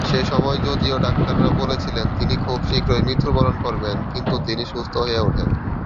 সেমময় যদিও ডাক্তাররা বলেছিলেন তিনি খুব শীঘ্রই মৃত্যুবরণ করবেন কিন্তু তিনি সুস্থ হয়ে উঠেন।